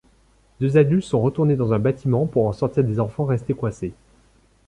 Deux adultes sont retournés dans un bâtiment pour en sortir des enfants restés coincés...